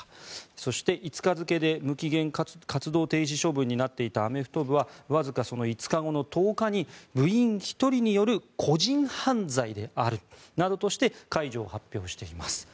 そして、５日付で無期限活動停止処分になっていたアメフト部はわずかその５日後の１０日に部員１人による個人犯罪であるなどとして解除を発表しています。